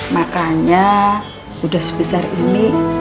makanya udah sebesar ini